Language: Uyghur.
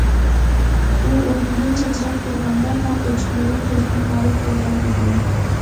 ئۇ ئورنىدىن چاچراپ تۇرغاندا تاغ ئۆچكىلىرى كۆزدىن غايىب بولغان ئىدى.